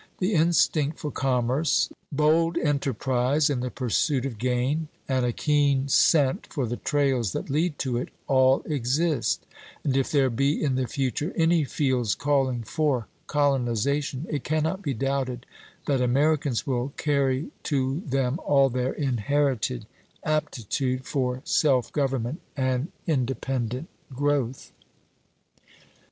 The instinct for commerce, bold enterprise in the pursuit of gain, and a keen scent for the trails that lead to it, all exist; and if there be in the future any fields calling for colonization, it cannot be doubted that Americans will carry to them all their inherited aptitude for self government and independent growth.